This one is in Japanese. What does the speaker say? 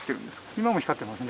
今も光ってますね。